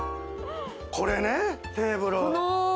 これね、テーブル。